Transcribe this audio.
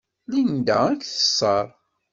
Linda ad k-teṣṣer.